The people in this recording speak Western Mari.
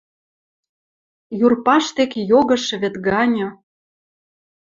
Юр паштек йогышы вӹд ганьы